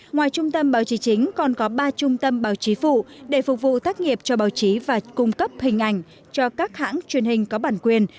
ngoài trung tâm bảo trì chính còn có ba trung tâm bảo trì phụ để phục vụ tác nghiệp cho báo chí và cung cấp hình ảnh cho các hãng truyền hình có bản quyền